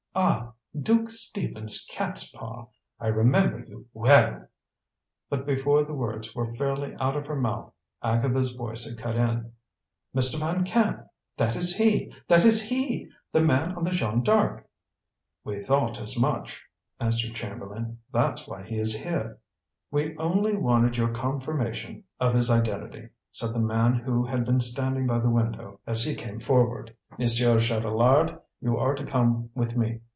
"Ah! Duke Stephen's cat's paw! I remember you well!" But before the words were fairly out of her mouth, Agatha's voice had cut in: "Mr. Van Camp, that is he! That is he! The man on the Jeanne D'Arc!" "We thought as much," answered Chamberlain. "That's why he is here." "We only wanted your confirmation of his identity," said the man who had been standing by the window, as he came forward. "Monsieur Chatelard, you are to come with me.